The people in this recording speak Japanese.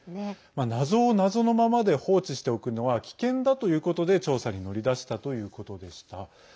謎を謎のままで放置しておくのは危険だということで調査に乗り出したということでした。